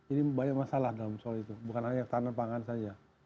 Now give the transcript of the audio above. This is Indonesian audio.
ini banyak masalah dalam soal itu bukan hanya tahanan pangan saja